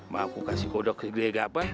mau aku kasih kodok ke gila gila apa